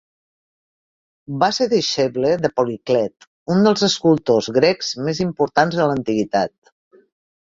Va ser deixeble de Policlet, un dels escultors grecs més importants de l'antiguitat.